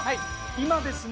今ですね